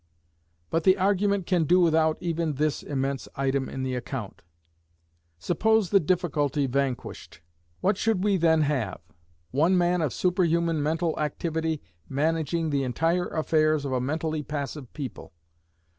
But the argument can do without even this immense item in the account. Suppose the difficulty vanquished. What should we then have? One man of superhuman mental activity managing the entire affairs of a mentally passive people.